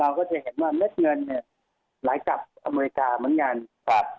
ก็จะเห็นว่าเม็ดเงินเนี่ยไหลกลับอเมริกาเหมือนกันครับ